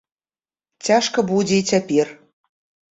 Цяжка будзе і цяпер.